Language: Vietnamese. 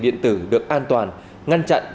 điện tử được an toàn ngăn chặn